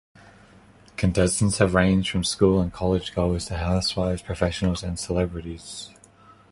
Contestants have ranged from school and college-goers to housewives, professionals and celebrities.